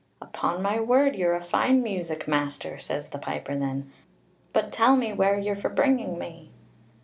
"Upon my word, you're a fine music master," says the piper then; "but tell me where you're for bringing me."